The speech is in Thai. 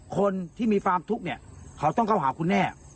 คนที่มีความทุกข์เนี่ยเขาต้องเข้าหาคุณแน่